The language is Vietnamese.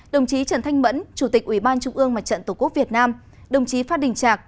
đồng chí trần thanh mẫn chủ tịch ủy ban trung ương mặt trận tổ quốc việt nam đồng chí phát đình trạc